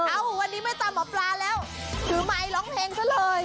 เออวันนี้ไม่ตามหมอปราแล้วถึงมาไอหล้อมเพลงซะเลย